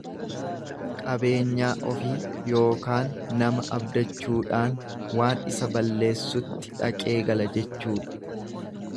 Qabeenyaa ofii yookaan nama abdachuudhaan waan isa balleessutti dhaqee gala jechuudha.